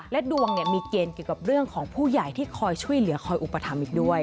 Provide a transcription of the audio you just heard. ดวงมีเกณฑ์เกี่ยวกับเรื่องของผู้ใหญ่ที่คอยช่วยเหลือคอยอุปถัมภ์อีกด้วย